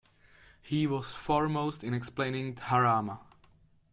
He was foremost in explaining Dharma.